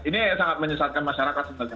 ini sangat menyesatkan masyarakat sebenarnya